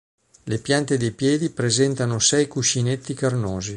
Le piante dei piedi presentano sei cuscinetti carnosi.